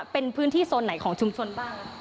เป็นพื้นที่โซนไหนของชุมชนบ้าง